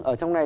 ở trong này